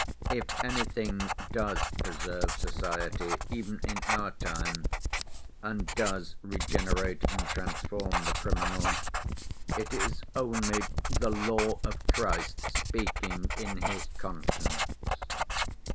If anything does preserve society, even in our time, and does regenerate and transform the criminal, it is only the law of Christ speaking in his conscience.